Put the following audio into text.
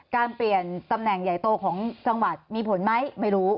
เปลี่ยนตำแหน่งใหญ่โตของจังหวัดมีผลไหมไม่รู้